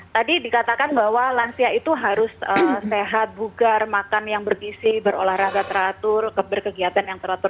tadi dikatakan bahwa lansia itu harus sehat bugar makan yang bergisi berolahraga teratur berkegiatan yang teratur